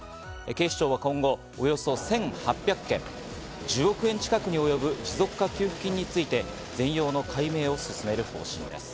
警視庁は今後およそ１８００件、１０億円近くに及ぶ持続化給付金について全容の解明を進める方針です。